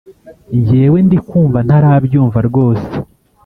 Njyewe ndikumva ntarabyumva rwose